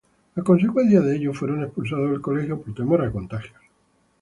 A consecuencia de ello, fueron expulsados del colegio por temor a contagios.